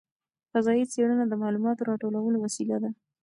فضايي څېړنه د معلوماتو راټولولو وسیله ده.